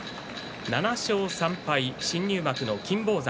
７勝３敗、新入幕の金峰山